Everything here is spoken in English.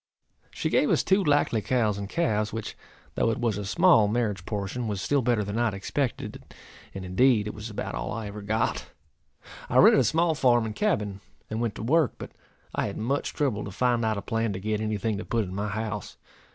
She gave us two likely cows and calves, which, though it was a small marriage portion, was still better than I had expected, and, indeed, it was about all I ever got. I rented a small farm and cabin, and went to work; but I had much trouble to find out a plan to get any thing to put in my house.